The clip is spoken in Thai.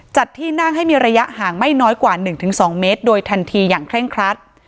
จัดที่นั่งให้มีระยะห่างไม่น้อยกว่า๑๒เมตรโดยทันทีอย่างเคร่งครัด